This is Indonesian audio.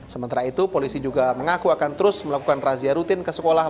sementara itu polisi juga mengaku akan terus melakukan razia rutin ke sekolah